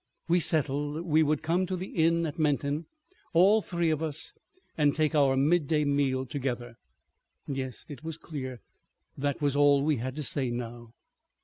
We settled we would come to the inn at Menton, all three of us, and take our midday meal together. ... Yes, it was clear that was all we had to say now.